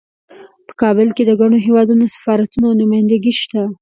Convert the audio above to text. په کابل کې د ګڼو هیوادونو سفارتونه او نمایندګۍ شته